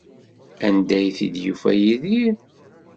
Anda ay t-id-yufa Yidir?